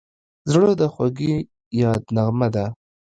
زړه د خوږې یاد نغمه ده.